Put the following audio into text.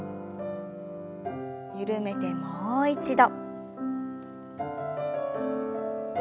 緩めてもう一度。